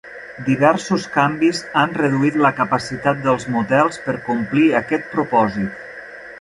Diversos canvis han reduït la capacitat dels motels per complir aquest propòsit.